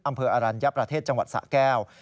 อำเภออรัญญประเทศจังหวัดสะแก้ว